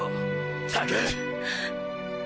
ったく！